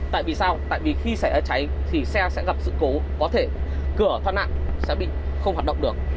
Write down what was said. tại vì sao tại vì khi xảy ra cháy thì xe sẽ gặp sự cố có thể cửa thoát nạn sẽ bị không hoạt động được